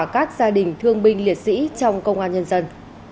các gia đình thương binh liệt sĩ trong công an nhân dân